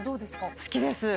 好きです。